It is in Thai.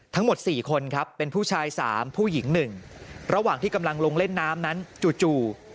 ทั้งหมด๔คนครับเป็นผู้ชาย๓ผู้หญิง๑ระหว่างที่กำลังลงเล่นน้ำนั้นจู่